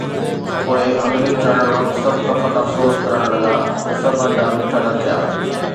پوءِ آڱريون چاڙهڻ وقت سڀ ڪفن افسوس ڪرڻ لڳا ته سڀ انڊا مٺا نه ٿيا.